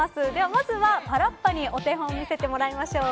まずは、パラッパにお手本を見せてもらいましょう。